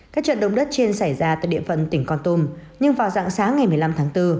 các trận động đất trên xảy ra tại địa phận tỉnh con tum nhưng vào dạng sáng ngày một mươi năm tháng bốn